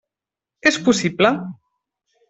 És possible.